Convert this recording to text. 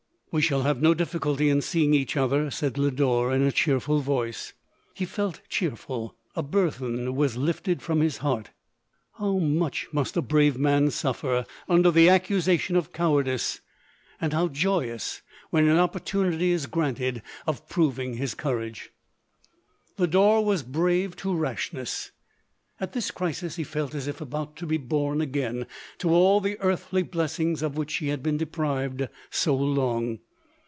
" We shall have no difficulty in seeing each other," said Lodore, in a cheerful voice. He felt cheerful : a burthen was lifted from his heart. How much must a brave man suffer under the accusation of cowardice, and how LODORE. 2(i3 joyous when an opportunity is granted of prov ing his courage ! Lodore was brave to rashness at this crisis he felt as if about to be born again to all the earthly blessings of which he had been deprived so long.